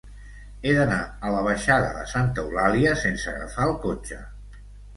He d'anar a la baixada de Santa Eulàlia sense agafar el cotxe.